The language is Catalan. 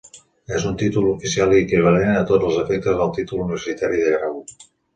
És un títol oficial i equivalent a tots els efectes al títol universitari de Grau.